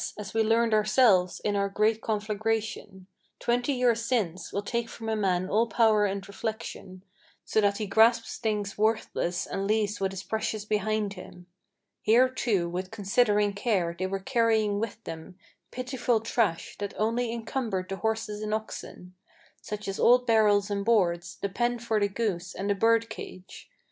as we learned ourselves in our great conflagration Twenty years since, will take from a man all power of reflection, So that he grasps things worthless and leaves what is precious behind him. Here, too, with unconsidering care they were carrying with them Pitiful trash, that only encumbered the horses and oxen; Such as old barrels and boards, the pen for the goose, and the bird cage.